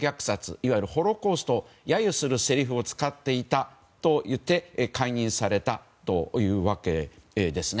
いわゆるホロコーストを揶揄するせりふを使っていたといって解任されたという訳です。